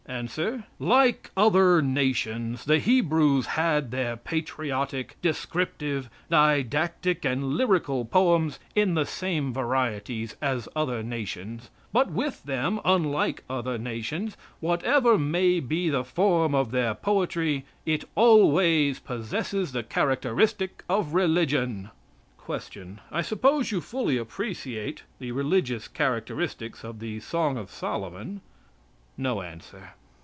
Answer. "Like other nations, the Hebrews had their patriotic, descriptive, didactic and lyrical poems in the same varieties as other nations; but with them, unlike other nations, whatever may be the form of their poetry, it always possesses the characteristic of religion." Q. I suppose you fully appreciate the religious characteristics of the Song of Solomon? No answer.